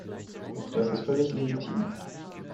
Auch das ist völlig legitim.